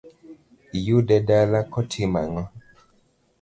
Iyude dala kotimo ang'o?